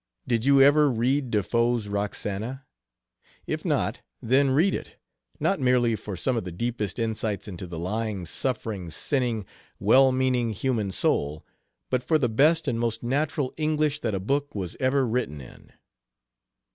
Did you ever read De Foe's 'Roxana'? If not, then read it, not merely for some of the deepest insights into the lying, suffering, sinning, well meaning human soul, but for the best and most natural English that a book was ever written in."